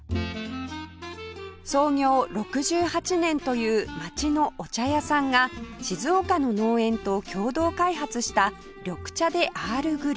創業６８年という街のお茶屋さんが静岡の農園と共同開発した「緑茶 ｄｅ アールグレイ」